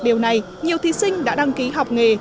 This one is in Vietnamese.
điều này nhiều thí sinh đã đăng ký học nghề